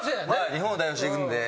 日本を代表して行くんで。